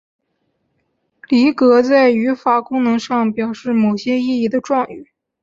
离格在语法功能上为表示某些意义的状语。